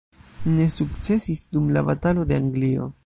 Ne sukcesis dum la batalo de Anglio.